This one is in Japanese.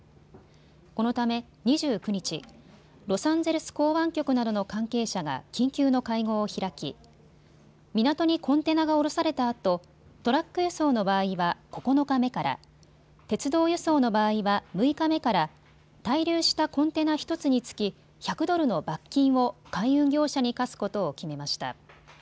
このため２９日、ロサンゼルス港湾局などの関係者が緊急の会合を開き港にコンテナが降ろされたあとトラック輸送の場合は９日目から、鉄道輸送の場合は６日目から、滞留したコンテナ１つにつき１００ドルの罰金を海運業者に科すことを決めました。